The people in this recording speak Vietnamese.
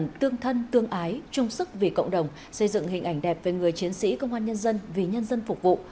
phát huy tinh thần tương ái trung sức vì cộng đồng xây dựng hình ảnh đẹp về người chiến sĩ công an nhân dân vì nhân dân phục vụ